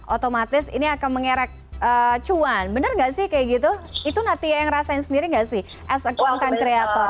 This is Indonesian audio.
otomatis ini akan mengerek cuan bener gak sih kayak gitu itu natia yang rasain sendiri gak sih as a qualtant creator